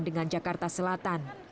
dengan jakarta selatan